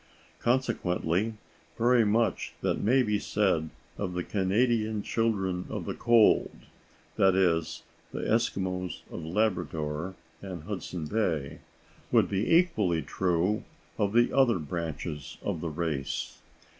Consequently very much that may be said of the Canadian Children of the Cold (that is, the Eskimos of Labrador and Hudson Bay) would be equally true of the other branches of the race.